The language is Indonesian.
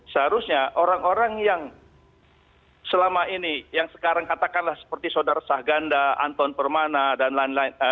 seharusnya orang orang yang selama ini yang sekarang katakanlah seperti saudara sahganda anton permana dan lain lain